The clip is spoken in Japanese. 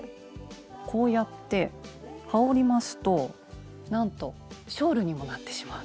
こうやって羽織りますとなんとショールにもなってしまうという。